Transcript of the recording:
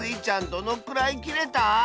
どのくらいきれた？